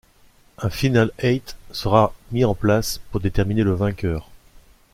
Un final eight sera mis en place pour déterminer le vainqueur.